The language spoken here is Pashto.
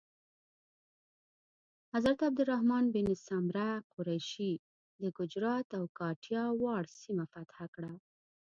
حضرت عبدالرحمن بن سمره قریشي د ګجرات او کاټیاواړ سیمه فتح کړه.